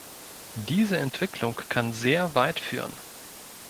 Diese Entwicklung kann sehr weit führen.